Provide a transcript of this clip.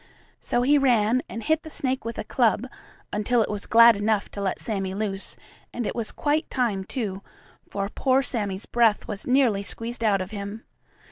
So he ran and hit the snake with a club, until it was glad enough to let Sammie loose, and it was quite time, too, for poor Sammie's breath was nearly squeezed out of him.